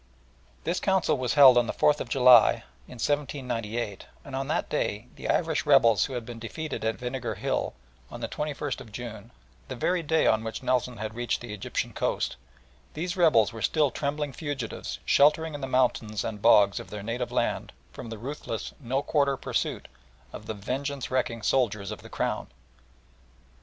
This Council was held on the 4th of July, in 1798, and on that day the Irish rebels who had been defeated at Vinegar Hill, on the 21st of June, the very day on which Nelson had reached the Egyptian coast, these rebels were still trembling fugitives sheltering in the mountains and bogs of their native land from the ruthless "no quarter" pursuit of the vengeance wrecking soldiers of the Crown.